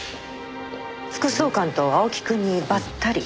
副総監と青木くんにばったり。